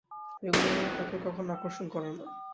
বেগুনি রঙ তাঁকে কখনো আকর্ষণ করে না।